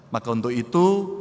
maka untuk itu